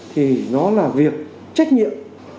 thì nó là việc trách nhiệm